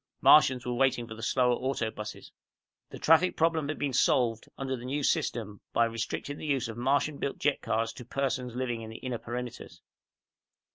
Martians were waiting for the slower auto buses. The traffic problem had been solved, under the New System, by restricting the use of the Martian built jet cars to persons living in the inner perimeters.